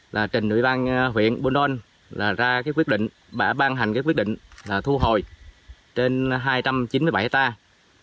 là trình nội ban huyện buôn đôn ban hành quyết định thu hồi trên hai trăm chín mươi bảy hectare